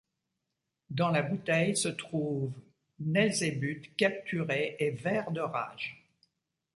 Dans la bouteille se trouve… Nelzébuth, capturé et vert de rage.